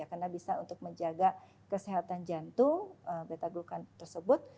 karena bisa untuk menjaga kesehatan jantung beta gulkan tersebut